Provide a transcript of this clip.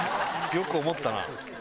よく思ったな。